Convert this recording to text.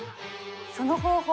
その方法